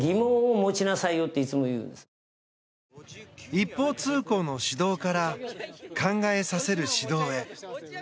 一方通行の指導から考えさせる指導へ。